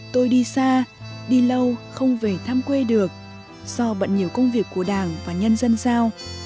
tôi đi xa đi lâu không về tham quê được do bận nhiều công việc của đảng và nhân dân giao